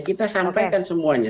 kita sampaikan semuanya